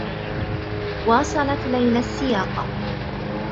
واصلت ليلى السّياقة.